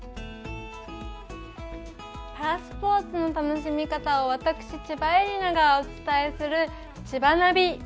パラスポーツの楽しみ方を私、千葉絵里菜がお伝えする「ちばナビ」。